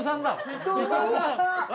伊藤さんだ！